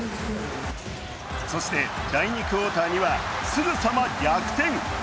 そして第２クオーターにはすぐさま逆転。